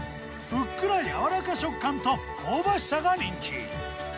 ふっくらやわらか食感と香ばしさが人気。